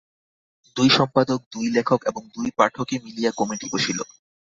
দুই সম্পাদক, দুই লেখক এবং দুই পাঠকে মিলিয়া কমিটি বসিল।